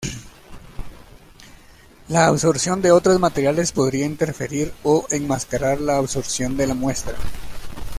La absorción de otros materiales podría interferir o enmascarar la absorción de la muestra.